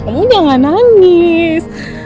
kamu jangan nangis